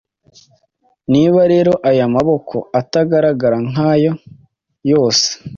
niba rero aya maboko atagaragara nkayo yose,